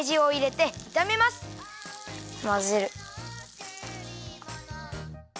まぜる！